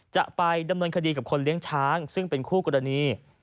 จะไปดำเนินคดีกับคนเลี้ยงช้างซึ่งเป็นคู่กรณี